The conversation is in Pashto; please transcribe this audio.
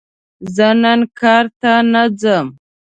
زه نن کار ته نه ځم!